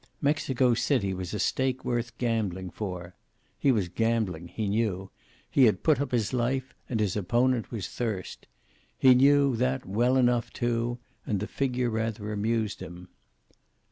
Mexico City was a stake worth gambling for. He was gambling, he knew. He had put up his life, and his opponent was thirst. He knew that, well enough, too, and the figure rather amused him.